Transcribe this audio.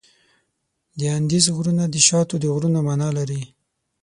د اندیز غرونه د شاتو د غرونو معنا لري.